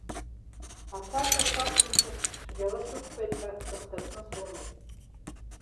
Ацашьа шәақәымшәо цәгьала шәықәхеит ҳәа сыхҭакны слымоуп.